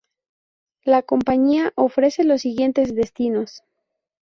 La compañía ofrece los siguientes destinos.